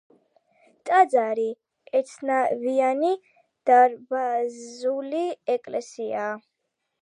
ტაძარი ერთნავიანი დარბაზული ეკლესიაა.